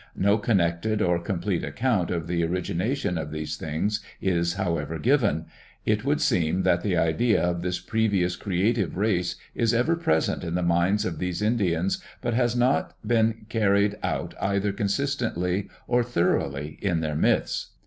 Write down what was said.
No connected or complete account of the origination of these things is however given. It would seem that the idea of this previous creative race is ever present in the minds of these Indians but has not been carried out either consistently or thoroughly in their myths.